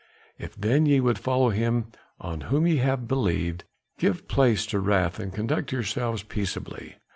If then ye would follow him on whom ye have believed, give place to wrath and conduct yourselves peaceably.